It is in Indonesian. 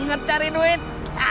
saya akan cari duit